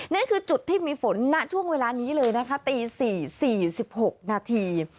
นั่นคือจุดที่มีฝนณช่วงเวลานี้เลยนะคะตี๔๔๖นาที